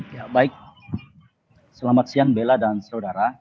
ya baik selamat siang bella dan saudara